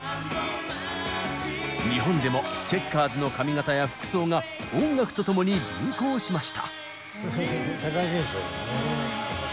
日本でもチェッカーズの髪型や服装が音楽と共に流行しました。